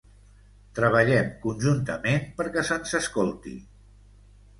Treballem conjuntament perquè se'ns escolti.